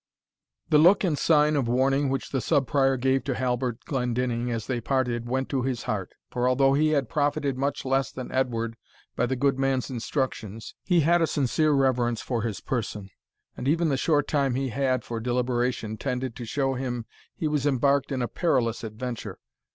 The look and sign of warning which the Sub Prior gave to Halbert Glendinning as they parted, went to his heart; for although he had profited much less than Edward by the good man's instructions, he had a sincere reverence for his person; and even the short time he had for deliberation tended to show him he was embarked in a perilous adventure.